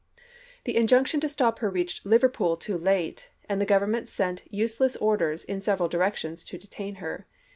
The injunction to stop her reached Liverpool too late, and the Gov ernment sent useless orders in several dii ections to iDid.,p.355. detain her.